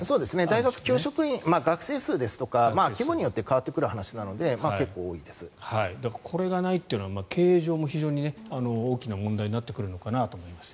大学教職員学生数ですとか規模によって変わってくる話ですのでこれがないというのは経営上も非常に大きな問題になってくるのかなと思います。